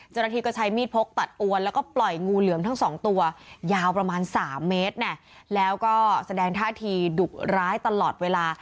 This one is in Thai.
เจ้าหน้าที่ก็ใช้มีดพกตัดอวนแล้วก็ปล่อยงูเหลือมทั้งสองตัวยาวประมาณ๓เมตรแล้วก็แสดงท่าทีดุร้ายตลอดเวลา